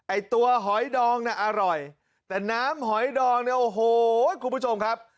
ไอ้ตัวหอยดองน่ะอร่อยแต่น้ำหอยดองเนี่ยโอ้โหคุณผู้ชมครับ